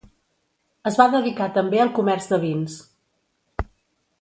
Es va dedicar també al comerç de vins.